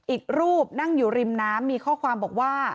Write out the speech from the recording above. อีกรูปนั่งอยู่ริมน้ำมีข้อความบอกว่า